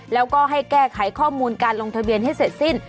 แล้วก็ให้แก้ไขข้อมูลการลงทะเบียนให้เสร็จสิ้น